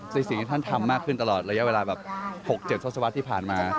สิ่งที่ท่านทำมากขึ้นตลอดระยะเวลาแบบ๖๗ทศวรรษที่ผ่านมา